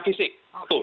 persidangan secara fisik